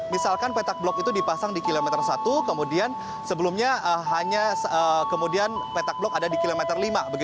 misalkan petak blok itu dipasang di kilometer satu kemudian sebelumnya hanya kemudian petak blok ada di kilometer lima